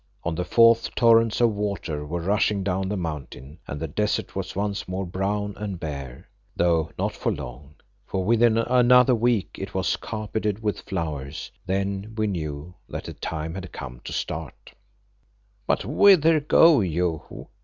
On the fourth torrents of water were rushing down the mountain and the desert was once more brown and bare, though not for long, for within another week it was carpeted with flowers. Then we knew that the time had come to start. "But whither go you?